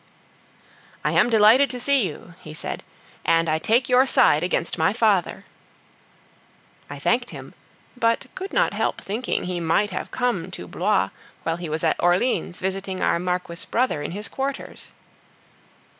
"I am delighted to see you," he said, "and I take your side against my father." I thanked him, but could not help thinking he might have come to Blois when he was at Orleans visiting our Marquis brother in his quarters.